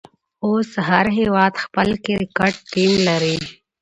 اوس هر هيواد خپل کرکټ ټيم لري.